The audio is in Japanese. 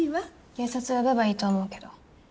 警察呼べばいいと思うけど。